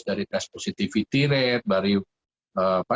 dari tes positivity ratenya